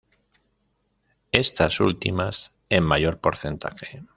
Estas ultimas en mayor porcentaje.